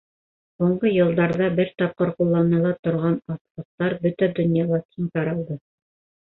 Һуңғы йылдарҙа бер тапҡыр ҡулланыла торған аҫлыҡтар бөтә донъяла киң таралды.